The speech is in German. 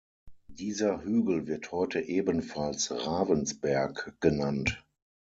Dieser Hügel wird heute ebenfalls "Ravensberg" genannt.